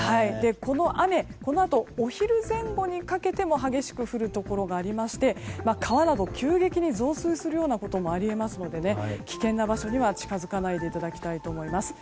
この雨このあとお昼前後にかけても激しく降るところがありまして川など急激に増水することもあり得ますので危険な場所には近づかないでいただきたいと思います。